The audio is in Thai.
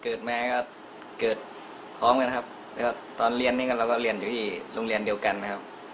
เกิดมาก็เกิดพร้อมกันครับแล้วก็ตอนเรียนนี่ก็เราก็เรียนอยู่ที่โรงเรียนเดียวกันนะครับ